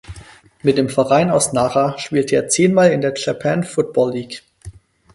Mit dem Verein aus Nara spielte er zehnmal in der Japan Football League.